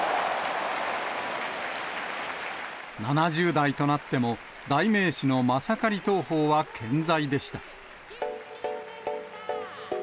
７０代となっても、代名詞のマサカリ投法は健在でした。